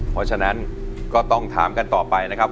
เพราะฉะนั้นก็ต้องถามกันต่อไปนะครับ